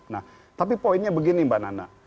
nah tapi poinnya begini mbak nana